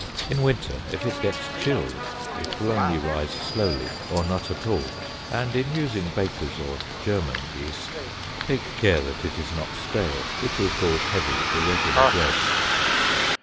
In winter, if it gets chilled, it will only rise slowly, or not at all, and in using baker's or German yeast take care that it is not stale, which will cause heavy, irregular bread.